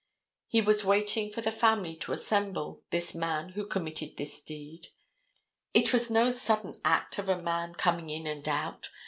He was waiting for the family to assemble, this man who committed this deed. It was no sudden act of a man coming in and out.